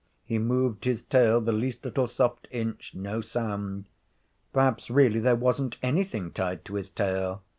He moved his tail the least little soft inch. No sound. Perhaps really there wasn't anything tied to his tail.